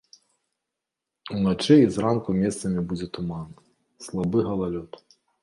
Уначы і зранку месцамі будзе туман, слабы галалёд.